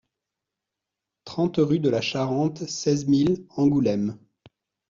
trente rue de la Charente, seize mille Angoulême